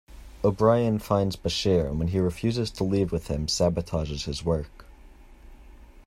O'Brien finds Bashir, and when he refuses to leave with him, sabotages his work.